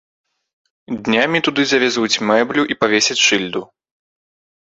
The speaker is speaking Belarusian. Днямі туды завязуць мэблю і павесяць шыльду.